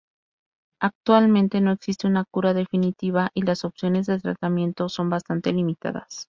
Actualmente no existe una cura definitiva y las opciones de tratamiento son bastante limitadas.